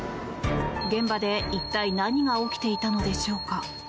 現場で一体、何が起きていたのでしょうか。